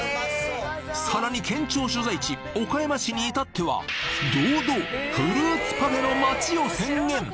さらに県庁所在地岡山市に至っては堂々「フルーツパフェの街」を宣言！